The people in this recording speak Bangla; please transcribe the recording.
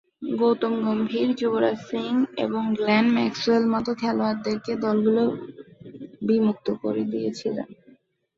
গৌতম গম্ভীর, যুবরাজ সিং এবং গ্লেন ম্যাক্সওয়েল মতো খেলোয়াড়দেরকে দলগুলো বিমুক্ত করে দিয়েছিল।